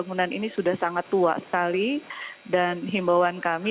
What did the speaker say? bangunan ini sudah sangat tua sekali dan himbauan kami